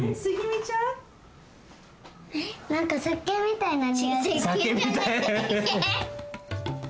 なんかせっけんみたいなにおいする。